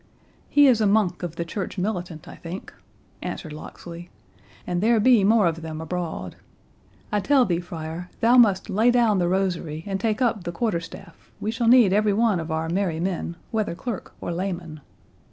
"He is a monk of the church militant, I think," answered Locksley; "and there be more of them abroad. I tell thee, friar, thou must lay down the rosary and take up the quarter staff; we shall need every one of our merry men, whether clerk or layman.